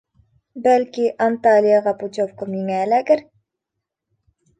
Бәлки, Анталияға путевка миңә эләгер?